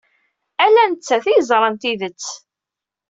Ala nettat ay yeẓran tidet.